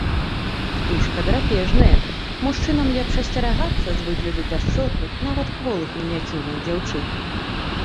Птушка драпежная, мужчынам лепш асцерагацца з выгляду пяшчотных, нават кволых мініяцюрных дзяўчын.